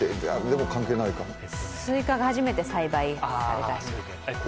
スイカが初めて栽培された日？